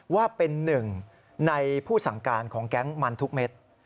ว่าเป็นหนึ่งในผู้สั่งการของแก๊งมันทุกเม็ด